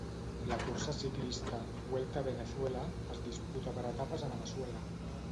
La cursa ciclista "Vuelta a Venezuela" es disputa per etapes a Veneçuela.